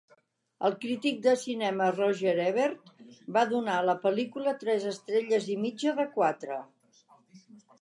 El crític de cinema Roger Ebert va donar a la pel·lícula tres estrelles i mitja de quatre.